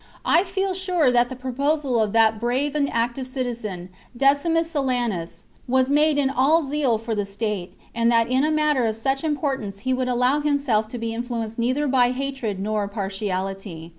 " I feel sure that the proposal of that brave and active citizen, Decimus Silanus, was made in all zeal for the state, and that in a matter of such importance he would allow himself to be influenced neither by hatred nor partiality.